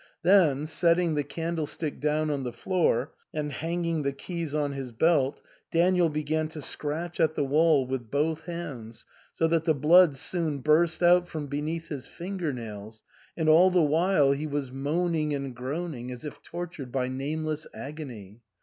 Then, setting the candlestick down on the floor and hanging the keys on his belt, Daniel began to scratch at the wall with both hands, so that the blood soon burst out from beneath his finger nails, and all the while he was moaning and groaning as if tortured by nameless agony.